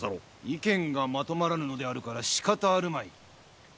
意見がまとまらぬのであるからしかたあるまい。